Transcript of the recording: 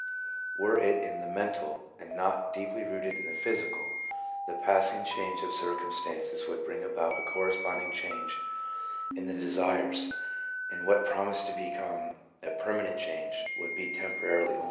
Were it simply in the mental and not deeply rooted in the physical, the passing change of circumstances would bring about a corresponding change in the desires, and what promised to become a permanent change, would be temporary only.